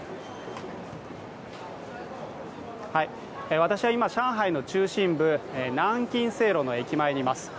私は今、上海の中心部、南京西路の駅前にいます。